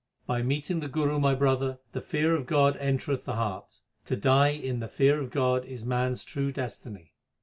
By meeting the Guru, my brother, the fear of God entereth the heart. To die in the fear of God is man s true destiny.